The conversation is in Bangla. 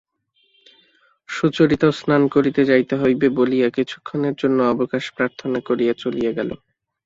সুচরিতাও স্নান করিতে যাইতে হইবে বলিয়া কিছুক্ষণের জন্য অবকাশ প্রার্থনা করিয়া চলিয়া গেল।